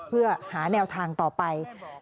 เพื่อหาแนวทางต่อไป